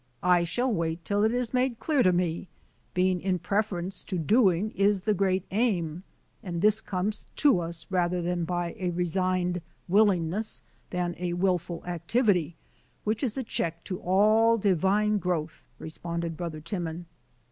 " I shall wait till it is made clear to me. Being in preference to doing is the great aim, and this comes to us rather by a resigned willingness than a wilful activity, which is a check to all divine growth," responded Brother Timon.